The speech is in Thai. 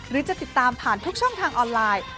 หรือจะติดตามผ่านทุกช่องทางออนไลน์